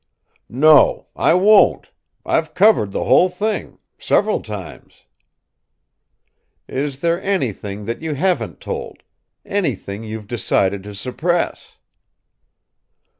"No; I won't! I've covered the whole thing several times." "Is there anything that you haven't told anything you've decided to suppress?"